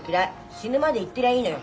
死ぬまで言ってりゃいいのよ。